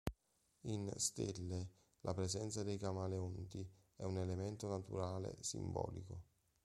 In "Stelle", la presenza dei camaleonti è un elemento naturale simbolico.